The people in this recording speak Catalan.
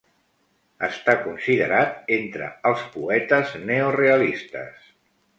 Està considerat entre els poetes neorealistes.